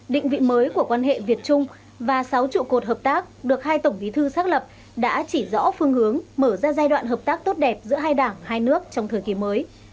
định vị mới của quan hệ việt trung và sáu trụ cột hợp tác được hai tổng bí thư xác lập đã chỉ rõ phương hướng mở ra giai đoạn hợp tác tốt đẹp giữa hai đảng hai nước trong thời kỳ mới